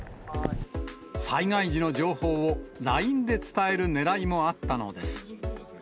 災害時の情報を、ＬＩＮＥで伝えるねらいもあったのです。